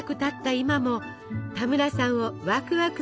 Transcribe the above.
今も田村さんをワクワクさせてくれます。